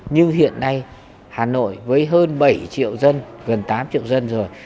nhưng hiện nay hà nội với hơn bảy triệu dân gần tám triệu dân rồi